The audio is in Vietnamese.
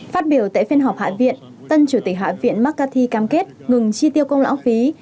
phát biểu tại phiên họp hạ viện tân chủ tịch hạ viện mccarthy cam kết ngừng chi tiêu công lãng phí